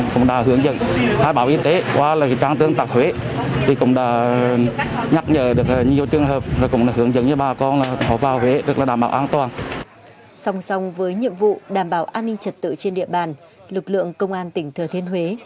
xong xong với nhiệm vụ đảm bảo an ninh trật tự trên địa bàn lực lượng công an tỉnh thơ thiên huế